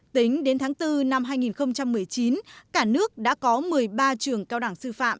tính đến tháng bốn năm hai nghìn một mươi chín cả nước đã có một mươi ba trường cao đẳng sư phạm